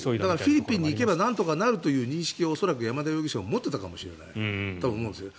フィリピンに行けばなんとかなるという認識を山田容疑者も持っていたかもしれないと思うんです。